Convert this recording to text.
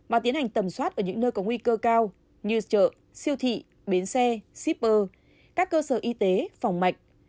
và tiến hành tầm soát ở những nơi có nguy cơ cao như chợ siêu thị bến xe shipper các cơ sở y tế phòng bệnh